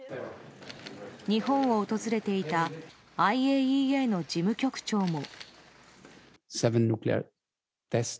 日本を訪れていたＩＡＥＡの事務局長も。